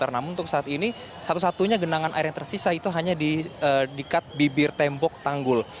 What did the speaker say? namun untuk saat ini satu satunya genangan air yang tersisa itu hanya di dekat bibir tembok tanggul